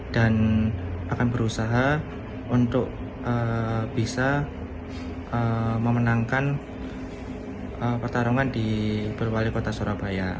dan akan berusaha untuk bisa memenangkan pertarungan di pil wali kota surabaya